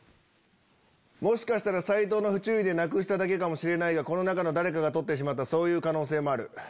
もしかしたら斎藤の不注意でなくしただけかもしれないがこの中の誰かが取ってしまったそういう可能性もある。